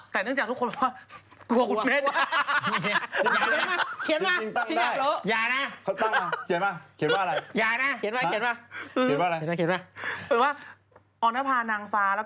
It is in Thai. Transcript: แต่เนื่องจากทุกคนว่ากลัวคุณเมฆ